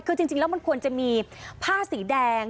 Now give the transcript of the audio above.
คือจริงแล้วมันควรจะมีผ้าสีแดง